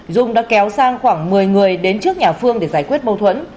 dung đã kéo sang khoảng một mươi người đến trước nhà phương để giải quyết mâu thuẫn